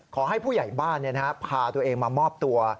ขอให้ผู้ใหญ่บ้านนี่นะครับพาตัวเองมามอบตัว